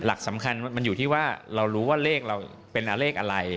หลักสำคัญมันอยู่ที่ว่าเรารู้ว่าเลขเราเป็นเลขอะไร